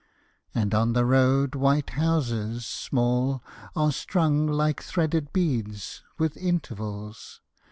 And on the road white houses small are strung Like threaded beads, with intervals.